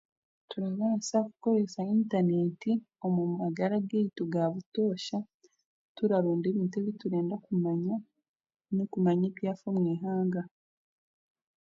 Turabaasa kukoresa intaneeti omu magara gaitu gaabutosha turaronda ebintu ebiturenda kumanya n'okumanya ebintu ebyafa omu ihanga